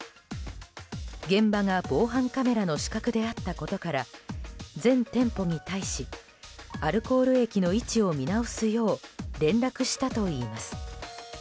現場が防犯カメラの死角であったことから全店舗に対しアルコール液の位置を見直すよう連絡したといいます。